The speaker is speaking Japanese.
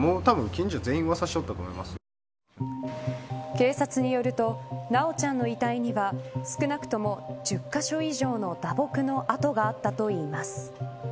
警察によると修ちゃんの遺体には少なくとも１０カ所以上の打撲の痕があったといいます。